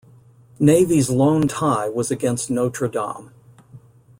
Navy's lone tie was against Notre Dame.